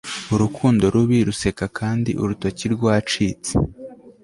Urukundo rubi ruseka kandi urutoki rwacitse